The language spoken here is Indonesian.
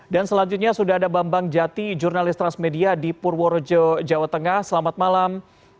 dan selanjutnya sudah ada bambang jati jurnalis transmedia di purworejo jawa tengah selamat malam